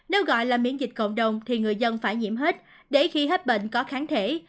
nếu gọi là miễn dịch cộng đồng thì người dân phải nhiễm hết để khi hết bệnh có kháng thể